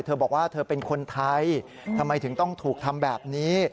เธอบอกว่าเธอเป็นคนไทยทำไมถึงต้องถูกทำแบบนี้